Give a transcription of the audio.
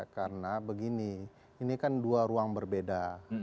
karena begini ini kan dua ruang berbeda